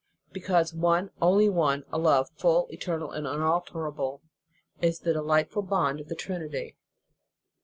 Because one only love, a love, full, eternal and unalterable, is the delightful bond of the Trinity.